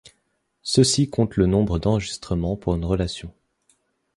Ceci compte le nombre d'enregistrements pour une relation.